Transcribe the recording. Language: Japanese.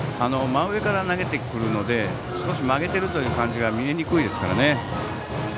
真上から投げてくるので曲げているという感じが見えにくいですね。